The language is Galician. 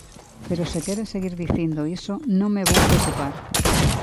Pero se quere seguir dicindo iso, non me vou preocupar.